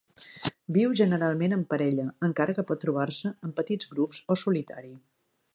Viu generalment en parella, encara que pot trobar-se en petits grups o solitari.